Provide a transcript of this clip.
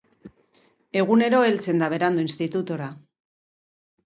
Egunero heltzen da berandu institutura.